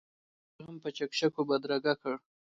موږ هم په چکچکو بدرګه کړ.